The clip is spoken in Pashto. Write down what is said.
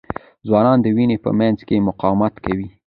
ځوانان د وینې په مینځ کې مقاومت کوي.